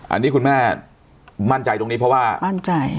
อันนี้คุณแม่มั่นใจตรงนี้เพราะว่ามั่นใจ